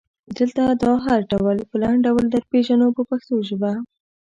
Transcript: دلته دا هر ډول په لنډ ډول درپېژنو په پښتو ژبه.